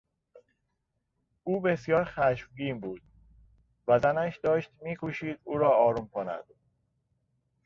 او بسیار خشمگین بود و زنش داشت میکوشید او را آرام کند.